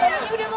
bali lagi rama